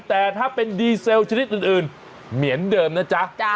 แต่ถ้าเป็นดีเซลชนิดอื่นเหมือนเดิมนะจ๊ะ